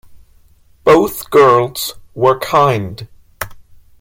Both girls were kind.